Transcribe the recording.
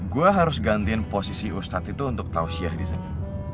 gue harus gantiin posisi ustadz itu untuk tausiyah disana